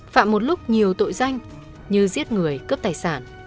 phạm một lúc nhiều tội danh như giết người cướp tài sản